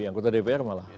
anggota dpr malah